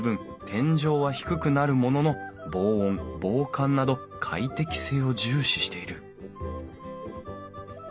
天井は低くなるものの防音防寒など快適性を重視している